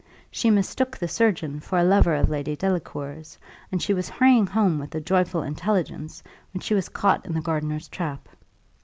She mistook the surgeon for a lover of Lady Delacour's; and she was hurrying home with the joyful intelligence, when she was caught in the gardener's trap.